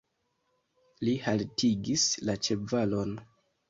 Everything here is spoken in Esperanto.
Li haltigis la ĉevalon.